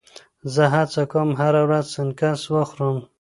زه هڅه کوم هره ورځ سنکس وخورم.